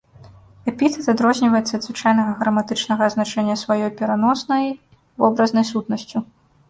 Эпітэт адрозніваецца ад звычайнага граматычнага азначэння сваёй пераноснай, вобразнай сутнасцю.